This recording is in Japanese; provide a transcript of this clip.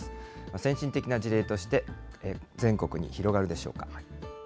先進的な事例として、全国に広がるでしょうか。